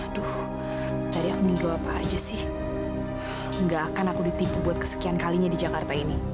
aduh tadi aku minggu apa aja sih enggak akan aku ditipu buat kesekian kalinya di jakarta ini